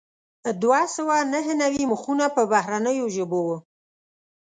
دوه سوه نهه نوي مخونه په بهرنیو ژبو وو.